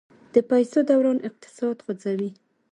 د پیسو دوران اقتصاد خوځوي.